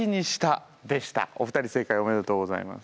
お二人正解おめでとうございます。